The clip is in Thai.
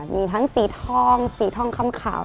มีทั้งสีทองสีทองคำขาว